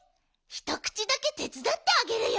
ひとくちだけてつだってあげるよ。